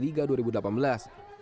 pertama piala liga dua ribu delapan belas